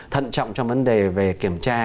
thận trọng trong vấn đề về kiểm tra